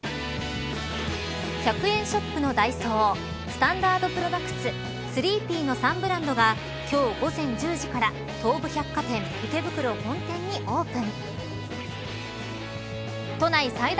１００円ショップのダイソースタンダードプロダクツＴＨＲＥＥＰＹの３ブランドが今日午前１０時から東武百貨店池袋本店にオープン。